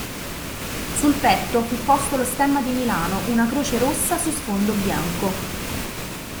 Sul petto fu posto lo stemma di Milano, una croce rossa su sfondo bianco.